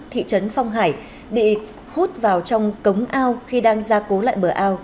thị trấn phong hải bị hút vào trong cống ao khi đang gia cố lại bờ ao